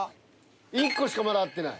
１個しかまだ合ってない。